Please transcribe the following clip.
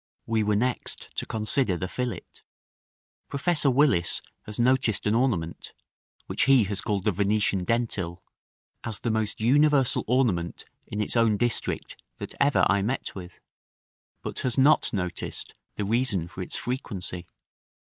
We were next to consider the fillet. Professor Willis has noticed an ornament, which he has called the Venetian dentil, "as the most universal ornament in its own district that ever I met with;" but has not noticed the reason for its frequency.